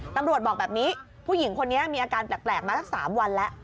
ตำรวจบอกแบบนี้ผู้หญิงคนนี้มีอาการแปลกมาสัก๓วันแล้ว